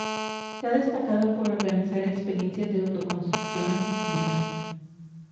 Se ha destacado por organizar experiencias de autoconstrucción asistida.